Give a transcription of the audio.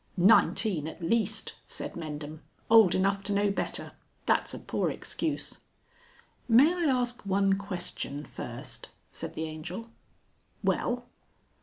"Nineteen at least," said Mendham. "Old enough to know better. That's a poor excuse." "May I ask one question first?" said the Angel. "Well?"